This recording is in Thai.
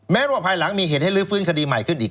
แม้ว่าภายหลังมีเหตุให้ลื้อฟื้นคดีใหม่ขึ้นอีก